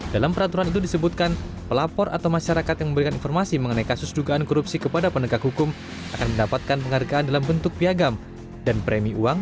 dalam peraturan itu disebutkan pelapor atau masyarakat yang memberikan informasi mengenai kasus dugaan korupsi kepada penegak hukum akan mendapatkan penghargaan dalam bentuk piagam dan premi uang